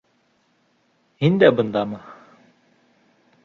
Һин дә бындамы?